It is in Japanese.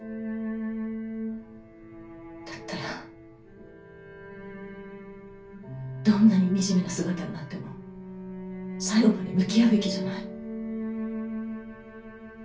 だったらどんなに惨めな姿になっても最後まで向き合うべきじゃない？